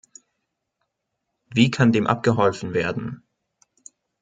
Wie kann dem abgeholfen werden?